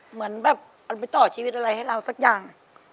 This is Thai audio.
เหมือนแบบเอาไปต่อชีวิตอะไรให้เราสักอย่าง